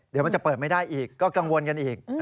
เดี๋ยวมันจะเปิดไม่ได้อีกก็กังวลกันอีก